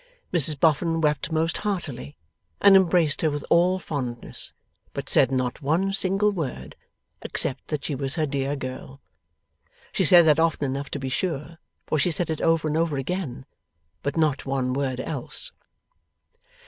Mrs Boffin wept most heartily, and embraced her with all fondness; but said not one single word except that she was her dear girl. She said that often enough, to be sure, for she said it over and over again; but not one word else.